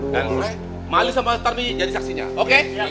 dan malis sama tarmi jadi saksinya oke